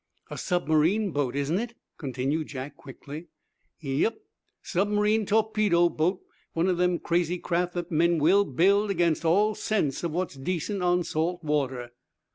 "A submarine boat, isn't it?" continued Jack, quickly. "Yep; submarine torpedo boat: One of them crazy craft that men will build against all sense of what's decent on salt water."